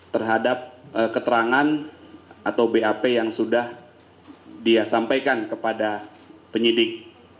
terhadap keterangan atau bap yang sudah dia sampaikan kepada penyidik